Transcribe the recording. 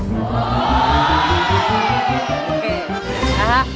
โอเค